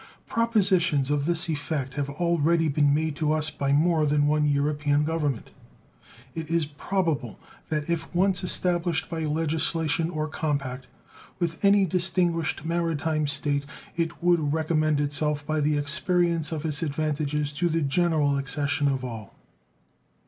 Propositions of this effect have already been made to us by more than one European Government, and it is probable that if once established by legislation or compact with any distinguished maritime state it would recommend itself by the experience of its advantages to the general accession of all.